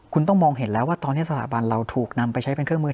คุณต้องมองเห็นแล้วว่าตอนนี้สถาบันเราถูกนำไปใช้เป็นเครื่องมือ